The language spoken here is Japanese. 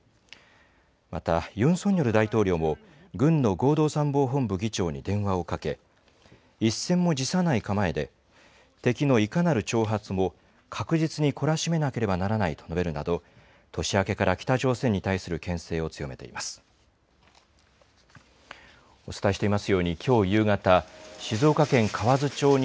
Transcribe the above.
また、ユン・ソンニョル大統領も軍の合同参謀本部議長に電話をかけ、一戦も辞さない構えで敵のいかなる挑発も確実に懲らしめなければならないと述べるなど、年明けから北朝鮮に対するけん制を強めています。